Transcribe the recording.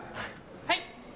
はい！